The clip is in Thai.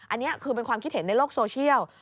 อันนี้คือเป็นความคิดเห็นในโลกโซเชียล